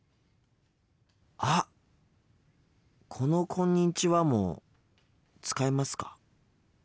あっこの「こんにちは」も使いますか？